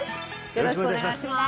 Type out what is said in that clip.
よろしくお願いします